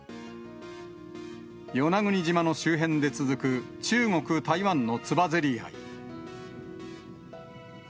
与那国島の周辺で続く中国、台湾のつばぜり合い。